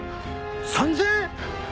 ３，０００円？